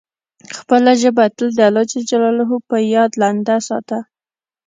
خپله ژبه تل د الله جل جلاله په یاد لنده ساته.